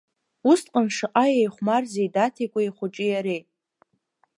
Усҟан шаҟа еихәмарзеи Даҭикәа ихәыҷи иареи…